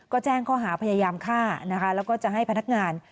ก็แจ้งข้อหาพยายามฆ่านะคะแล้วก็จะให้พนักงาน